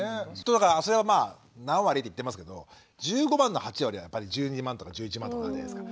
それはまあ何割って言ってますけど１５万円の８割は１２万とか１１万とかじゃないですか。